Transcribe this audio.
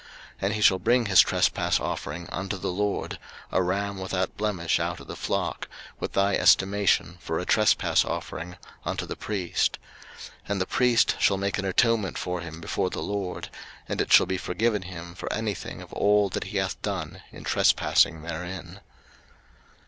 03:006:006 And he shall bring his trespass offering unto the LORD, a ram without blemish out of the flock, with thy estimation, for a trespass offering, unto the priest: 03:006:007 And the priest shall make an atonement for him before the LORD: and it shall be forgiven him for any thing of all that he hath done in trespassing therein.